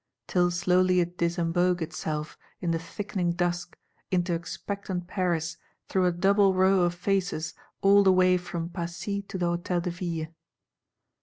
Till slowly it disembogue itself, in the thickening dusk, into expectant Paris, through a double row of faces all the way from Passy to the Hôtel de Ville.